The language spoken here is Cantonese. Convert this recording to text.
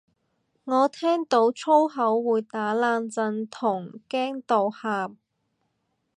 我聽到粗口會打冷震同驚到喊